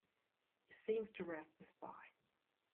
It seems to rest the spine.